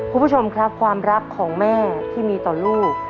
คุณผู้ชมครับความรักของแม่ที่มีต่อลูก